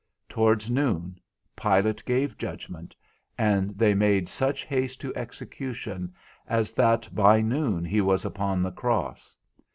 Towards noon Pilate gave judgment, and they made such haste to execution as that by noon he was upon the cross.